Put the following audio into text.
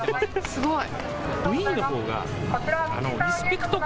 すごい。